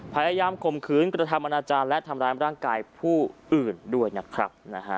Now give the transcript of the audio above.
ข่มขืนกระทำอนาจารย์และทำร้ายร่างกายผู้อื่นด้วยนะครับ